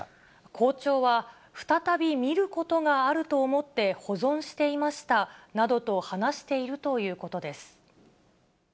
校長は再び見ることがあると思って保存していましたなどと話しているということです。